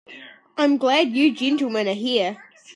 I'm glad you gentlemen are here.